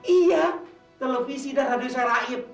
iya televisi dan radio saya raib